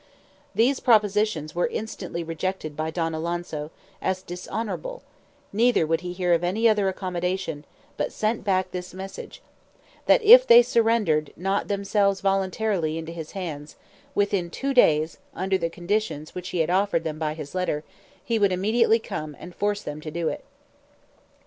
These propositions were instantly rejected by Don Alonso, as dishonourable: neither would he hear of any other accommodation, but sent back this message: "That if they surrendered not themselves voluntarily into his hands, within two days, under the conditions which he had offered them by his letter, he would immediately come, and force them to do it."